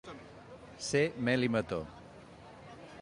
Ser mel i mató.